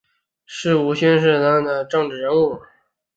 吴世勋是大韩民国的律师及政治人物。